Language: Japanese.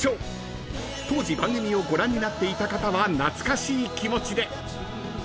［当時番組をご覧になっていた方は懐かしい気持ちで］